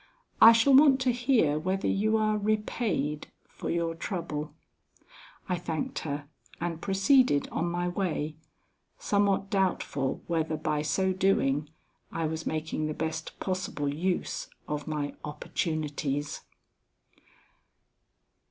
"I shall want to hear whether you are repaid for your trouble." I thanked her and proceeded on my way, somewhat doubtful whether by so doing I was making the best possible use of my opportunities.